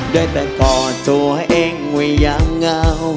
ได้แต่กอดตัวเองไว้อย่างเงา